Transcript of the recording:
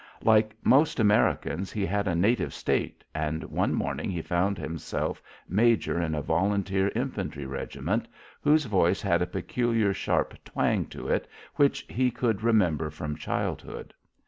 Like most Americans, he had a native State, and one morning he found himself major in a volunteer infantry regiment whose voice had a peculiar sharp twang to it which he could remember from childhood.